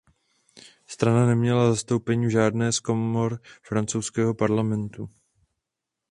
Strana neměla zastoupení v žádné z komor francouzského Parlamentu.